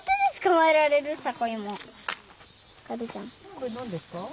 これ何ですか？